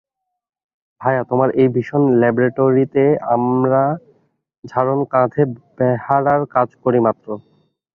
ভায়া, তোমার এই ভীষণ ল্যাবরেটরিতে আমরা ঝাড়ন কাঁধে বেহারার কাজ করি মাত্র।